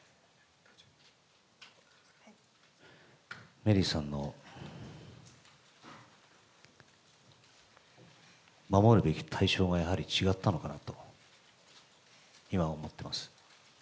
メリーさんの守るべき対象がやはり違ったのかなと、今は思ってます。